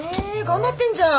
頑張ってんじゃん。